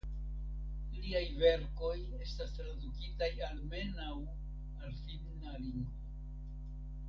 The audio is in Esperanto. Liaj verkoj estas tradukitaj almenaŭ al finna lingvo.